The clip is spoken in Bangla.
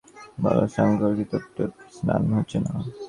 শিশিরের ভূমিকা ছিল, কিন্তু তাই বলে সাঙ্গাকারার কৃতিত্ব এতটুকু ম্লান হচ্ছে না।